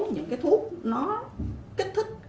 những thuốc nó kích thích